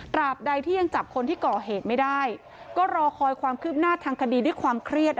บใดที่ยังจับคนที่ก่อเหตุไม่ได้ก็รอคอยความคืบหน้าทางคดีด้วยความเครียด